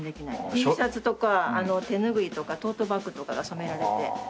Ｔシャツとか手ぬぐいとかトートバッグとかが染められて。